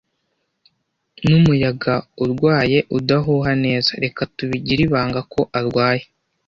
Numuyaga urwaye udahuha neza. Reka tubigire ibanga ko arwaye.